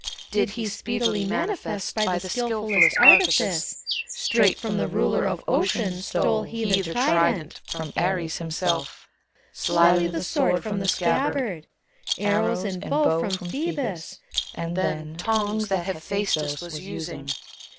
Did he speedily manifest By the skilf ullest artifice. Straight from the Ruler of Ocean stole He the trident — from Ares himself Slyly the sword from the scabbard; Arrows and bow from Phcebus, and then Tongs that Hephadstos was using.